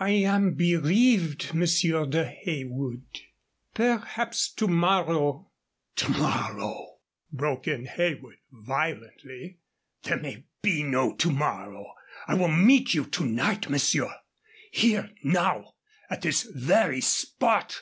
"I am bereaved, Monsieur de Heywood. Perhaps to morrow." "To morrow?" broke in Heywood, violently. "There may be no to morrow. I will meet you to night, monsieur, here now at this very spot!"